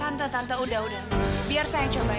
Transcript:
tante tante sudah sudah biar saya coba lagi